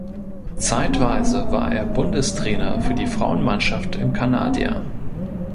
Zeitweise war er Bundestrainer für die Frauenmannschaft im Kanadier.